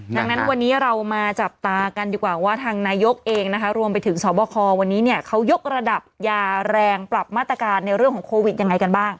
ดังนั้นวันนี้เรามาจับตากันดีกว่าว่าทางนายกเองนะคะรวมไปถึงสอบคอวันนี้เนี่ยเขายกระดับยาแรงปรับมาตรการในเรื่องของโควิดยังไงกันบ้าง